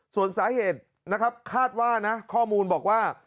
ส่วนสาเหตุนะครับคาดว่านะข้อมูลบอกว่า